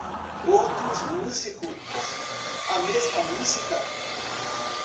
Outros músicos - a mesma música.